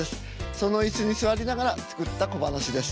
その椅子に座りながら作った小噺です。